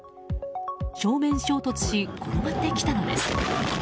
正面衝突し、転がってきたのです。